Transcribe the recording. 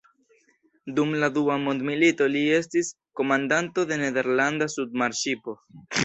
Dum la Dua Mondmilito li estis komandanto de nederlanda submarŝipo.